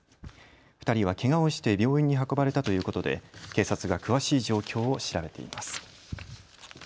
２人はけがをして病院に運ばれたということで警察が詳しい状況を調べています。